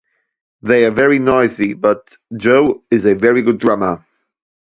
They are very noisy but Joe is a very good drummer.